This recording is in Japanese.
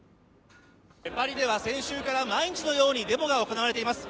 パリでは先週から毎日のようにデモが行われています。